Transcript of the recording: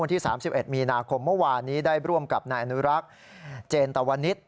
ที่๓๑มีนาคมเมื่อวานนี้ได้ร่วมกับนายอนุรักษ์เจนตวนิษฐ์